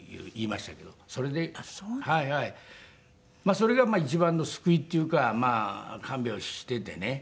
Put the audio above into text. それが一番の救いっていうか看病していてね